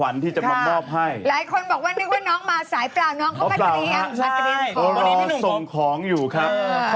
รอส่งของอยู่ครับ